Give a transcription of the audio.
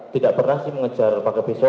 tidak pernah sih mengejar pakai pisau